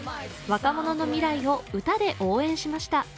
若者の未来を歌で応援しました。